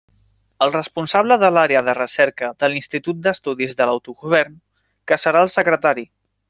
El responsable de l'Àrea de Recerca de l'Institut d'Estudis de l'Autogovern, que serà el secretari.